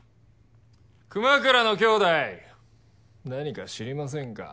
熊倉の兄弟何か知りませんか？